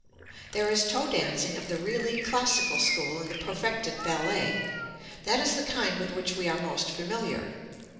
There is toe dancing of the really classical school in the perfected ballet. That is the kind with which we are most familiar.